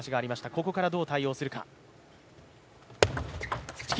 ここからどう対応するか。